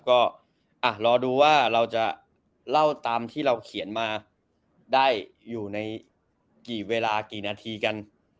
ก็รอดูว่าเราจะเล่าตามที่เราเขียนมาได้อยู่ในกี่เวลากี่นาทีกัน